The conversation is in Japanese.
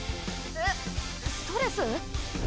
えっストレス？